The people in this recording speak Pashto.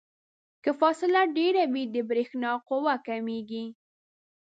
که فاصله ډیره وي د برېښنا قوه کمیږي.